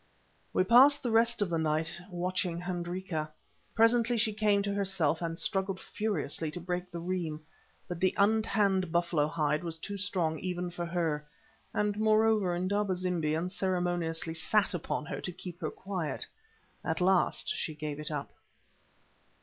We passed the rest of the night watching Hendrika. Presently she came to herself and struggled furiously to break the reim. But the untanned buffalo hide was too strong even for her, and, moreover, Indaba zimbi unceremoniously sat upon her to keep her quiet. At last she gave it up.